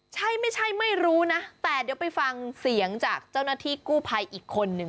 ใช่ไม่ใช่ไม่รู้นะแต่เดี๋ยวไปฟังเสียงจากเจ้าหน้าที่กู้ภัยอีกคนนึง